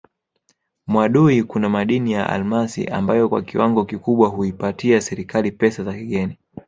Mwadui kuna madini ya almasi ambayo kwa kiwango kikubwa huipatia serikali pesa za kigeni